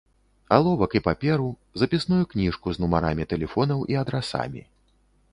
Аловак і паперу, запісную кніжку з нумарамі тэлефонаў і адрасамі.